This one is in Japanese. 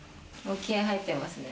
気合い入ってますね。